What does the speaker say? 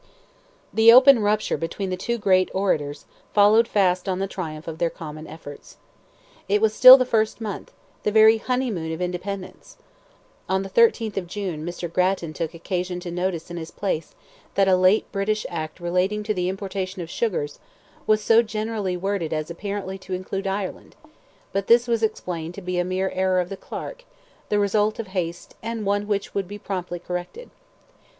The open rupture between the two great orators followed fast on the triumph of their common efforts. It was still the first month—the very honeymoon of independence. On the 13th of June, Mr. Grattan took occasion to notice in his place, that a late British act relating to the importation of sugars, was so generally worded as apparently to include Ireland; but this was explained to be a mere error of the clerk, the result of haste, and one which would be promptly corrected.